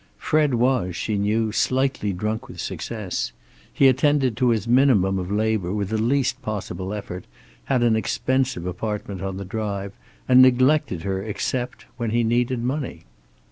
Fred was, she knew, slightly drunk with success; he attended to his minimum of labor with the least possible effort, had an expensive apartment on the Drive, and neglected her except, when he needed money.